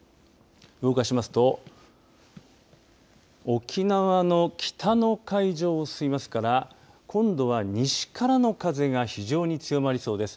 動ごかしますと沖縄の北の海上を進みますから今度は西からの風が非常に強まりそうです。